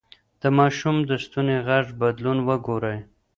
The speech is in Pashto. د ماشوم د ستوني غږ بدلون وګورئ.